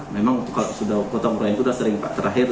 memang kalau sudah kota murai itu sudah sering terakhir